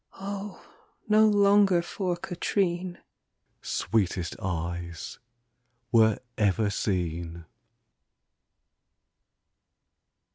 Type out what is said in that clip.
Oh, no longer for Catrine "Sweetest eyes were ever seen!"